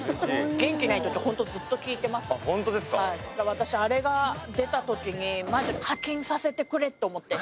私あれが出たときにマジ課金させてくれって思って。